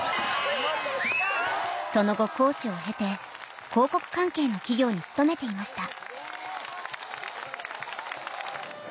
その後コーチを経て広告関係の企業に勤めていました